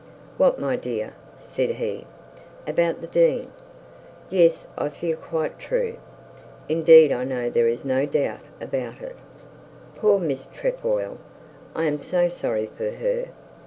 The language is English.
'What, my dear,' said he. 'About the dean? Yes, I fear quite true. Indeed, I know there is no doubt about it.' 'Poor Miss Trefoil. I am so sorry for her.